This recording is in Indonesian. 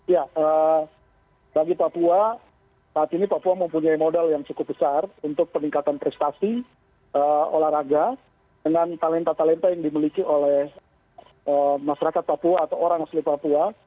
ya bagi papua saat ini papua mempunyai modal yang cukup besar untuk peningkatan prestasi olahraga dengan talenta talenta yang dimiliki oleh masyarakat papua atau orang asli papua